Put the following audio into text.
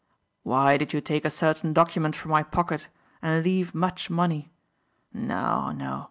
"Why did you take a certain document from my pocket and leave much money? No, no.